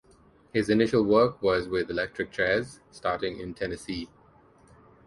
His initial work was with electric chairs, starting in Tennessee.